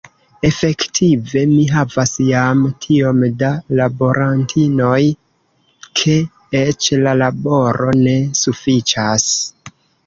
Efektive mi havas jam tiom da laborantinoj, ke eĉ la laboro ne sufiĉas.